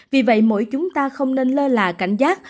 vì vậy mỗi chúng ta không nên lơ là cảnh giác